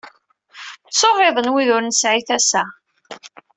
Ttuɣiḍen wid ur nesɛi tasa.